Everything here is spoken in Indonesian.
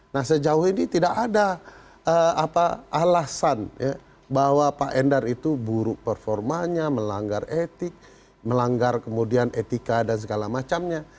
nah sejauh ini tidak ada alasan bahwa pak endar itu buruk performanya melanggar etik melanggar kemudian etika dan segala macamnya